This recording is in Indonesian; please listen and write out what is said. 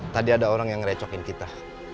tadi ada orang yang ngerecokin kita